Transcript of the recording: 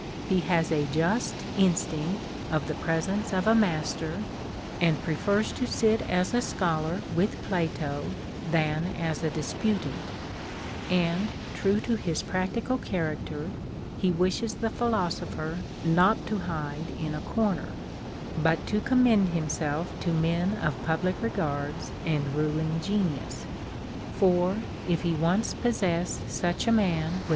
He has a just instinct of the presence of a master, and prefers to sit as a scholar with Plato, than as a disputant ; and, true to his practical character, he wishes the philosopher not to hide in a corner, but to commend himself to men of public regards and ruling genius :" for, if he once possess such a man with INTRODUCTION.